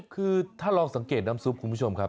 คือถ้าลองสังเกตน้ำซุปคุณผู้ชมครับ